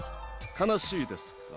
悲しいですか？